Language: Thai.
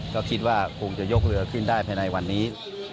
ก็คิดว่าคงจะยกเรือขึ้นได้ภายในวันนี้